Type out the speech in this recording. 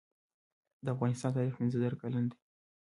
د افغانستان تاریخ پنځه زره کلن دی